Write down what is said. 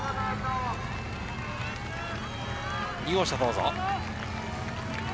２号車、どうぞ。